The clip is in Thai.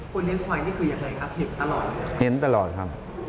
เลี้ยงควายนี่คือยังไงครับเห็นตลอดเห็นตลอดครับ